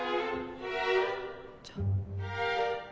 じゃあ。